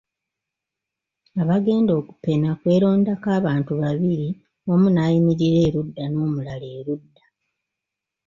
Abagenda okupena kwerondako abantu babiri omu n'ayimirira erudda n'omulala erudda.